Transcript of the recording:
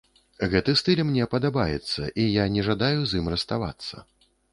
Гэты стыль мне падабаецца, і я не жадаю з ім расставацца.